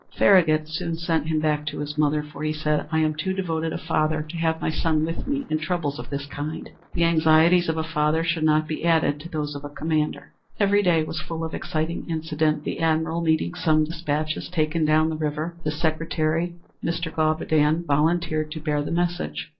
Farragut soon sent him back to his mother; for he said, "I am too devoted a father to have my son with me in troubles of this kind. The anxieties of a father should not be added to those of a commander." Every day was full of exciting incident. The admiral needing some despatches taken down the river, his secretary, Mr. Gabaudan, volunteered to bear the message.